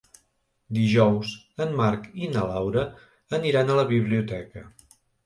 Dijous en Marc i na Laura aniran a la biblioteca.